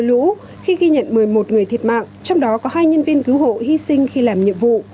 trong mưa lũ khi ghi nhận một mươi một người thiệt mạng trong đó có hai nhân viên cứu hộ hy sinh khi làm nhiệm vụ